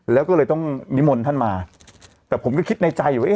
แล้วก็เลยต้องนิมนต์ท่านมาแต่ผมก็คิดในใจอยู่ว่า